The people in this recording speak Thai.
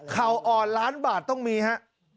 ข่าวอ่อนล้านบาทต้องมีฮะ